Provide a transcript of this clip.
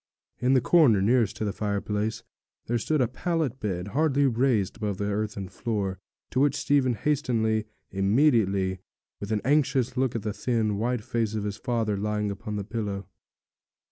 In the corner nearest to the fireplace there stood a pallet bed, hardly raised above the earthen floor, to which Stephen hastened immediately, with an anxious look at the thin, white face of his father lying upon the pillow.